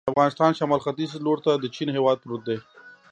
د افغانستان شمال ختیځ ته لور ته د چین هېواد پروت دی.